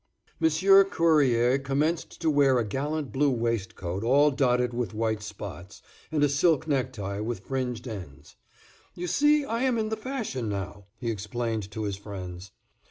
Monsieur Cuerrier commenced to wear a gallant blue waistcoat all dotted with white spots, and a silk necktie with fringed ends. "You see I am in the fashion now," he explained to his friends.